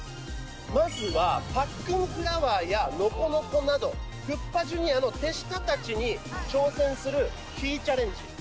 まずはパックンフラワーやノコノコなどクッパＪｒ．の手下たちに挑戦するキーチャレンジ。